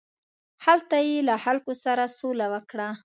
هلته یې له خلکو سره سوله وکړه.